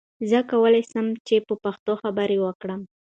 زه کولی سم چې په پښتو خبرې وکړم.